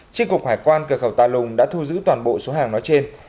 tri cục hải quan cực khẩu ta lùng đã thu giữ toàn bộ số hàng nói trên